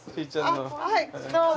あっはいどうぞ。